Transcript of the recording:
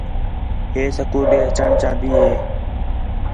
ہے سکول ݙے اچّݨ چاہن٘دی ہے